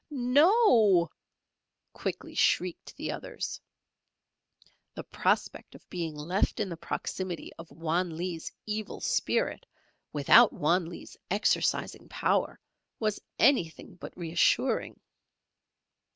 "No!" quickly shrieked the others. The prospect of being left in the proximity of Wan Lee's evil spirit, without Wan Lee's exorcising power, was anything but reassuring.